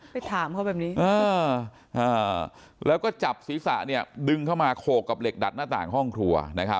ไปถามเขาแบบนี้แล้วก็จับศีรษะดึงเข้ามาโขกกับเหล็กดัดหน้าต่างห้องครัว